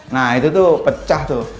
nah itu tuh pecah tuh